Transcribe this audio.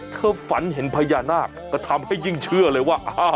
ฝันเห็นพญานาคก็ทำให้ยิ่งเชื่อเลยว่า